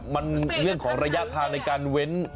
มันเรื่องของระยะทางในการเว้น